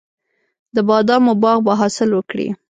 د بادامو باغ به حاصل وکړي.